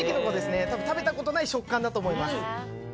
食べたことない食感だと思います。